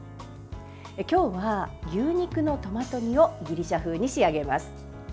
今日は牛肉のトマト煮をギリシャ風に仕上げます。